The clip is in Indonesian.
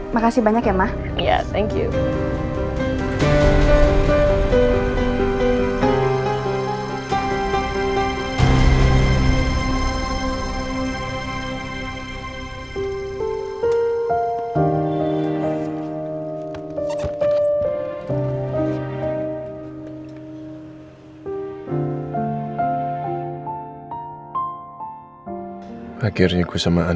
makasih banyak ya ma